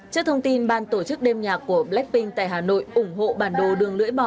trước thông tin ban tổ chức đêm nhạc của blackpink tại hà nội ủng hộ bản đồ đường lưỡi bò